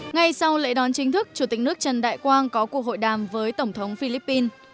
ngay sau lễ đón chính thức chủ tịch nước trần đại quang có cuộc hội đàm với tổng thống philippines